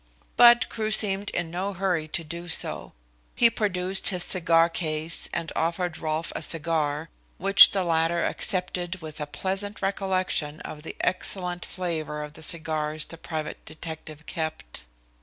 But Crewe seemed in no hurry to do so. He produced his cigar case and offered Rolfe a cigar, which the latter accepted with a pleasant recollection of the excellent flavour of the cigars the private detective kept.